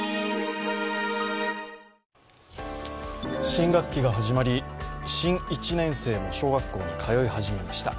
新学期が始まり、新１年生も小学校に通い始めました。